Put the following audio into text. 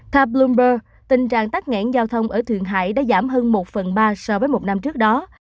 theo bloomberg tình trạng tắc nghẽn giao thông ở thượng hải đã giảm hơn một phần ba so với một năm trước đó